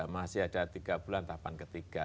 masih ada tiga bulan tahapan ketiga